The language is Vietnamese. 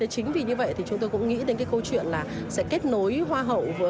chính vì như vậy thì chúng tôi cũng nghĩ đến cái câu chuyện là sẽ kết nối hoa hậu